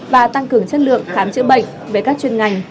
và tăng cường chất lượng khám chữa bệnh về các chuyên ngành